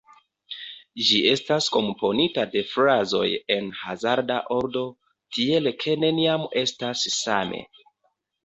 Ĝi estas komponita de frazoj en hazarda ordo, tiel ke neniam estas same.